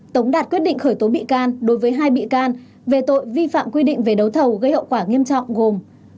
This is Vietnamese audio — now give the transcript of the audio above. tống đạt quyết định khởi tố bị can đối với hai bị can về tội vi phạm quy định về đấu thầu gây hậu quả nghiêm trọng gồm